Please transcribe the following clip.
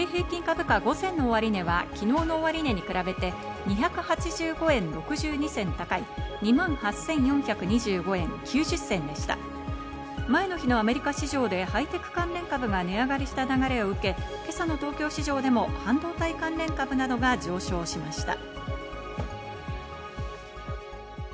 前の日のアメリカ市場でハイテク関連株が値上がりした流れを受け、今朝の東京市場でも半導体関連株などが上昇しました。